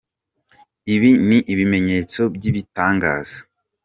Ibi ni ibimenyetso byibitangaza.